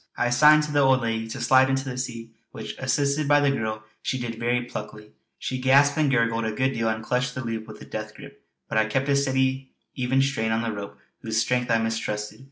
I signed to the old lady to slide into the sea which, assisted by the girl, she did very pluckily. She gasped and gurgled a good deal and clutched the loop with a death grip; but I kept a steady even strain on the rope whose strength I mistrusted.